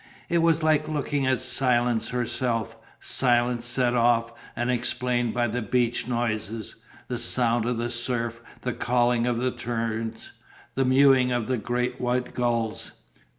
It was like looking at Silence herself, silence set off and explained by the beach noises, the sound of the surf, the calling of the terns, the mewing of the great white gulls.